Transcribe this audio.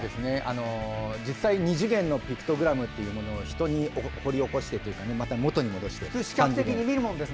２次元のピクトグラムというものを人に掘り起こしてというかまた、元に戻して。